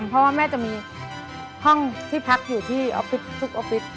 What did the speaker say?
เพราะว่าแม่จะมีห้องที่พักอยู่ที่ออฟฟิศทุกออฟฟิศ